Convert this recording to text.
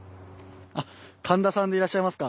神田さんでいらっしゃいますか？